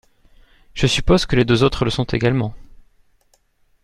Je suppose que les deux autres le sont également.